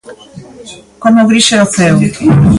Como gris era o ceo.